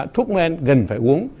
thuốc men gần phải uống